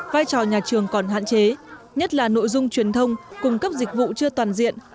vai trò nhà trường còn hạn chế nhất là nội dung truyền thông cung cấp dịch vụ chưa toàn diện